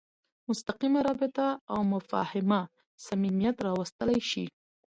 مستقیمه رابطه او مفاهمه صمیمیت راوستلی شي.